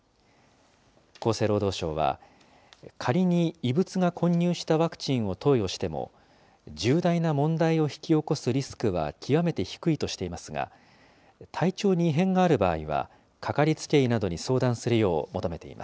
厚生労働省は、仮に異物が混入したワクチンを投与しても、重大な問題を引き起こすリスクは極めて低いとしていますが、体調に異変がある場合は、かかりつけ医などに相談するよう求めていま